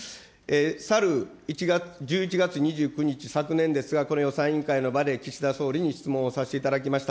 去る１１月２９日、昨年ですが、この予算委員会の場で岸田総理に質問をさせていただきました。